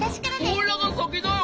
おいらがさきだよ。